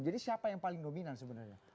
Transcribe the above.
jadi siapa yang paling dominan sebenarnya